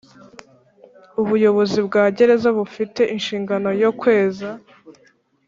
Ubuyobozi bwa gereza bufite inshingano yo kweza